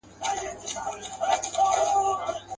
کله ټال کي د خیالونو زنګېدلای.